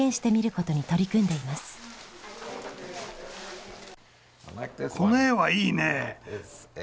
この絵はいいねえ。